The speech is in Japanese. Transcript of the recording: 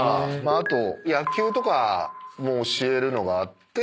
あと野球とかも教えるのがあって。